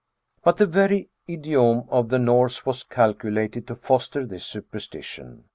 But the very idiom of the Norse was calculated to foster this superstition.